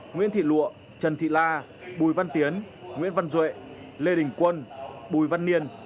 nguyễn thị lụa trần thị la bùi văn tiến nguyễn văn duệ lê đình quân bùi văn niên